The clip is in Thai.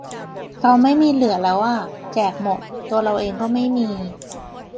เราไม่มีเหลือแล้วอ่ะ แจกหมด ตัวเราเองก็ไม่มี